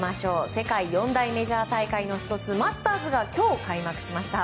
世界四大メジャー大会の１つマスターズが今日開幕しました。